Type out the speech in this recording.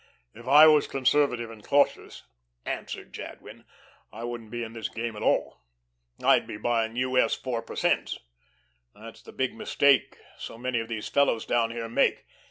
"If I was conservative and cautious," answered Jadwin, "I wouldn't be in this game at all. I'd be buying U.S. four percents. That's the big mistake so many of these fellows down here make.